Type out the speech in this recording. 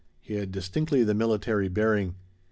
He had distinctly the military bearing.